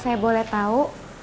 saya boleh tau